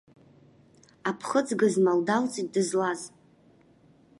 Аԥхыӡ гызмал далҵит дызлаз.